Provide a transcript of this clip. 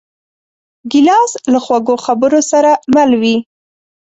ګیلاس له خوږو خبرو سره مل وي.